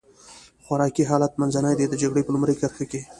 خوراکي حالت منځنی دی، د جګړې په لومړۍ کرښه کې.